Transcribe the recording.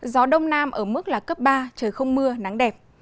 gió đông nam ở mức là cấp ba trời không mưa nắng đẹp